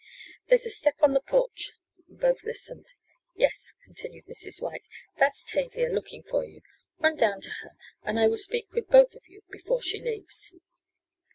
"There's a step on the porch," and both listened. "Yes," continued Mrs. White, "that's Tavia looking for you. Run down to her and I will speak with both of you before she leaves."